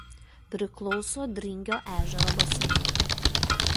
Priklauso Dringio ežero baseinui.